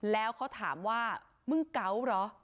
แล้วเขาถามว่ามึงเก๋าเหรอ